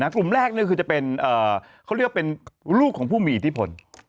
กลุ่มแรกคือจะเป็นเขาเรียกว่าเป็นลูกของผู้มีอิทธิพล